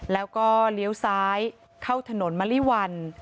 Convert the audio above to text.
แล้วก็เลี้ยวซ้ายเข้าถนนมะลิวัน